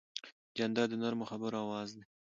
جانداد د نرمو خبرو آواز دی.